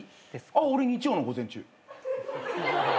俺日曜の午前中。